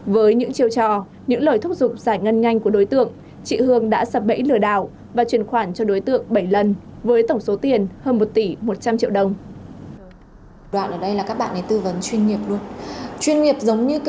với những chiêu trò những lời thúc giục giải ngân nhanh của đối tượng chị hương đã sập bẫy lừa đảo và truyền khoản cho đối tượng bảy lần với tổng số tiền hơn một tỷ một trăm linh triệu đồng